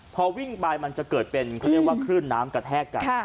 พอวิ่งไปมันจะเกิดเป็นเขาเรียกว่าคลื่นน้ำกระแทกกัน